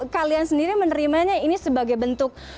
kalian sendiri menerimanya ini sebagai bentuk